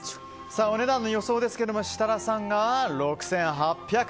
お値段の予想ですが設楽さんが６８００円。